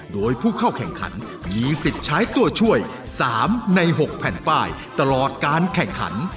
โดยผู้เข้าแข่งขันมีสิทธิ์ใช้ตัวช่วย๓ใน๖แผ่นป้ายตลอดการแข่งขัน